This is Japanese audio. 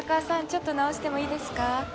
ちょっと直してもいいですか？